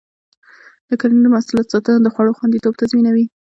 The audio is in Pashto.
د کرنیزو محصولاتو ساتنه د خوړو خوندیتوب تضمینوي.